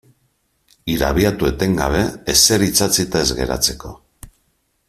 Irabiatu etengabe ezer itsatsita ez geratzeko.